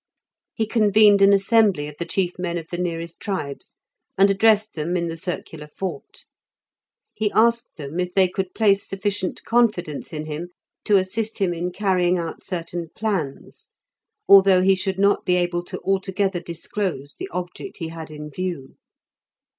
He convened an assembly of the chief men of the nearest tribes, and addressed them in the circular fort. He asked them if they could place sufficient confidence in him to assist him in carrying out certain plans, although he should not be able to altogether disclose the object he had in view.